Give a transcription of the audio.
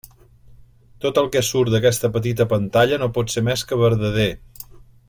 Tot el que surt d'aquesta petita pantalla no pot ser més que verdader.